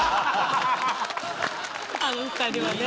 あの２人はね。